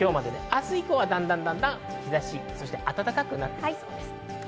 明日以降はだんだん日差し、暖かくなっていきそうです。